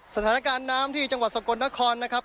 สถานการณ์น้ำที่จังหวัดสกลนครนะครับ